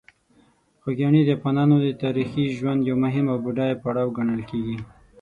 خوږیاڼي د افغانانو د تاریخي ژوند یو مهم او بډایه پړاو ګڼل کېږي.